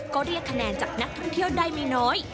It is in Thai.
ก็เรียกคะแนนจากนักท่องเที่ยวได้ไม่น้อย